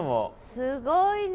すごいな。